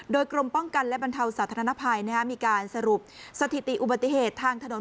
โดยกรมป้องกันและบรรเทาสาธารณภัยมีการสรุปสถิติอุบัติเหตุทางถนน